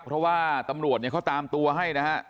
เพราะว่าตำรวจเขาตามตัวให้นะครับ